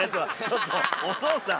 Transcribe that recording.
ちょっとおとうさん。